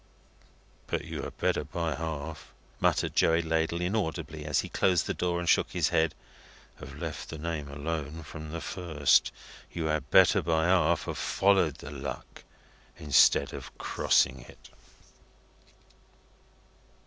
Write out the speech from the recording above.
But you had better by half," muttered Joey Ladle inaudibly, as he closed the door and shook his head, "have let the name alone from the first. You had better by half have followed the luck instead of crossing it."